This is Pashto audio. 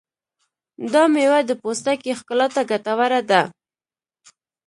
دا مېوه د پوستکي ښکلا ته ګټوره ده.